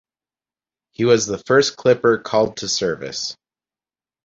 He was the first Clipper called to service.